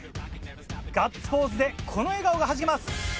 ガッツポーズでこの笑顔がはじけます。